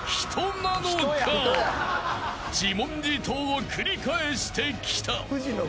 ［自問自答を繰り返してきた］